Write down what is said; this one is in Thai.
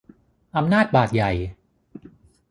อำนาจบาตรใหญ่